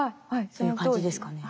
そういう感じですかね？